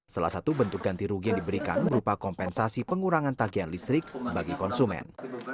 salah satu bentuk ganti rugi yang diberikan berupa kompensasi pengurangan tagihan listrik bagi konsumen